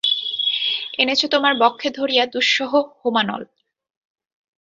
এনেছ তোমার বক্ষে ধরিয়া দুঃসহ হোমানল।